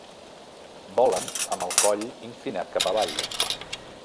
Volen amb el coll inclinat cap avall.